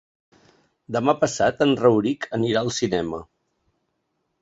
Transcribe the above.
Demà passat en Rauric anirà al cinema.